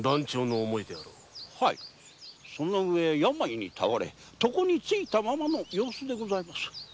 はいその上病に倒れ床についたままの様子でございます。